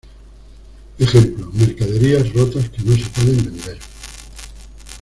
Ejemplo: mercaderías rotas que no se pueden vender.